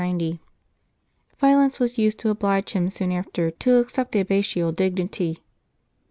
Violence was used to oblige him soon after to accept the abbatial dignity.